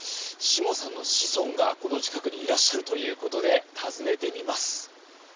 しもさんの子孫がこの近くにいらっしゃるということで訪ねてみます。